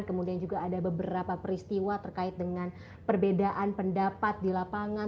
kemudian juga ada beberapa peristiwa terkait dengan perbedaan pendapat di lapangan